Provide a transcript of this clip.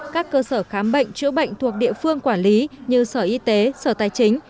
các cơ sở khám bệnh chữa bệnh thuộc địa phương quản lý như sở y tế sở tài chính